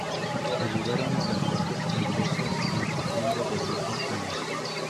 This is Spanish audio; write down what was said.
Arribaron a las costas inglesas en septiembre del mismo año.